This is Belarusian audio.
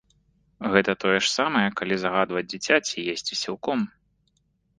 Гэта тое ж самае, калі загадваць дзіцяці есці сілком.